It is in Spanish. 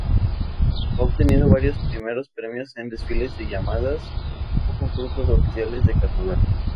Ha obtenido varios primeros premios en desfiles de llamadas y concursos oficiales de carnaval.